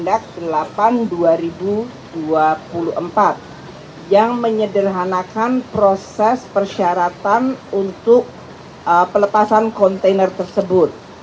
permendak tiga puluh delapan dua ribu dua puluh empat yang menyederhanakan proses persyaratan untuk pelepasan kontainer tersebut